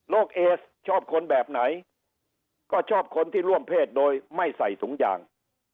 เอสชอบคนแบบไหนก็ชอบคนที่ร่วมเพศโดยไม่ใส่ถุงยาง